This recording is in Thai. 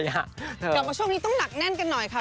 กลับมาช่วงนี้ต้องหนักแน่นกันหน่อยค่ะ